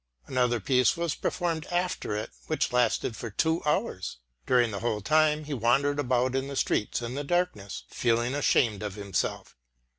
Another piece was performed after it which lasted for two hours. During the whole time he wandered about the streets in the darkness, feeling ashamed of himself.